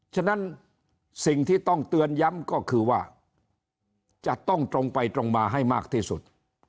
ฉะนั้นสิ่งที่ต้องเตือนย้ำก็คือว่าจะต้องตรงไปตรงมาให้มากที่สุด